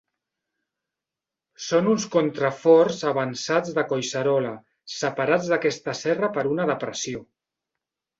Són uns contraforts avançats de Collserola, separats d'aquesta serra per una depressió.